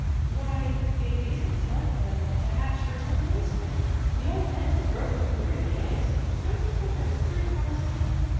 "Why, it isn't time for them to hatch for ten days yet. The old hen has broken three of the eggs. Don't you think that is pretty clumsy?"